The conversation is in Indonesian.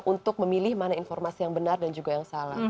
untuk memilih mana informasi yang benar dan juga yang salah